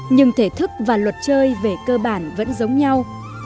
nhưng thể thức và luật chơi về cơ bản vẫn giống nhau